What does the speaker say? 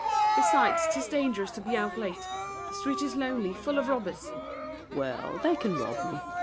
Besides, 'tis dangerous to be out late: The street is lonely, full of robbers. SAVERNY. Well, They can rob me.